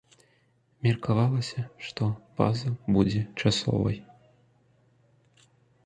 Меркавалася, што база будзе часовай.